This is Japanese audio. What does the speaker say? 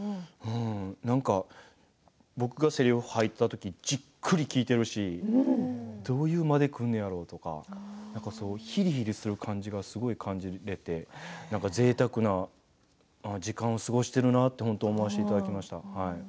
なんか僕がせりふ入った時じっくり聞いているしどういう間でくるんやろうとかひりひりする感じがすごい感じていてなんかぜいたくな時間を過ごしているなと思わせていただきました。